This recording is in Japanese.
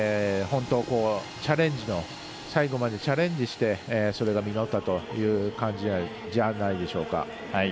本当、最後までチャレンジしてそれが実ったという感じじゃないでしょうか。